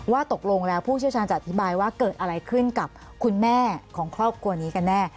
ว่าตกลงแล้วผู้เชี่ยวชาญจะอธิบายว่าเกิดอะไรขึ้นกับคุณแม่ของครอบครัวนี้กันแน่